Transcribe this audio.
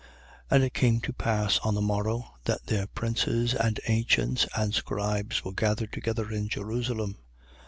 4:5. And it came to pass on the morrow, that their princes and ancients and scribes were gathered together in Jerusalem.